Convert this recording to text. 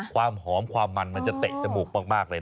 ความหอมจะเตะจมูกมาก